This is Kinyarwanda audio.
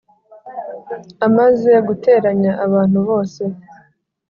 amaze guteranya abantu bose